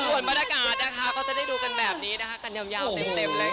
ส่วนบรรยากาศนะคะก็จะได้ดูกันแบบนี้นะคะกันยาวเต็มเลยค่ะ